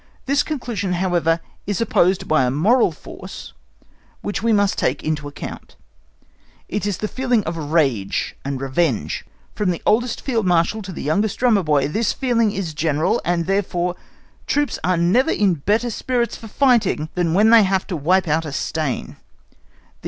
This conclusion, however, is opposed by a moral force, which we must take into account: it is the feeling of rage and revenge. From the oldest Field Marshal to the youngest drummer boy this feeling is general, and, therefore, troops are never in better spirits for fighting than when they have to wipe out a stain.